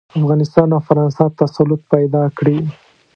افغانستان او فرانسه تسلط پیدا کړي.